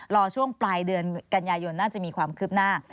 รอช่วงปลายเดือนกันยายนน่าจะมีความคืบหน้า